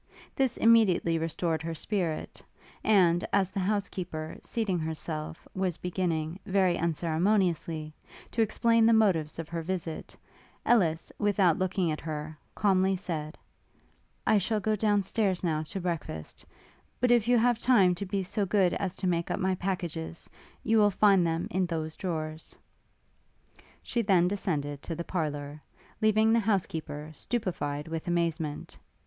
This immediately restored her spirit; and as the housekeeper, seating herself, was beginning, very unceremoniously, to explain the motives of her visit, Ellis, without looking at her, calmly said, 'I shall go down stairs now to breakfast; but if you have time to be so good as to make up my packages, you will find them in those drawers.' She then descended to the parlour, leaving the housekeeper stupified with amazement.